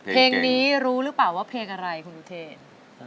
เพลงนี้รู้หรือเปล่าว่าเพลงอะไรคุณอุเทน